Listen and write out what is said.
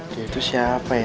dia itu siapa ya